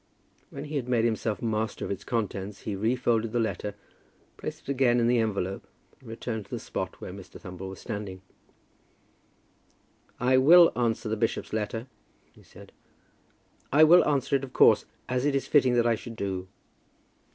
When he had made himself master of its contents, he refolded the letter, placed it again in the envelope, and returned to the spot where Mr. Thumble was standing. "I will answer the bishop's letter," he said; "I will answer it of course, as it is fitting that I should do.